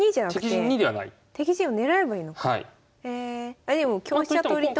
あでも香車取りとか。